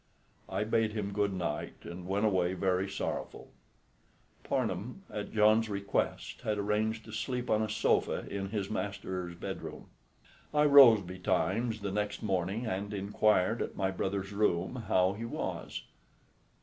I bade him good night and went away very sorrowful. Parnham, at John's request, had arranged to sleep on a sofa in his master's bedroom. I rose betimes the next morning and inquired at my brother's room how he was.